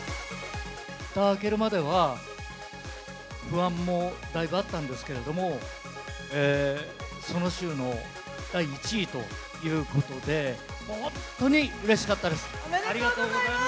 ふた開けるまでは、不安もだいぶあったんですけれども、その週の第１位ということで、おめでとうございます。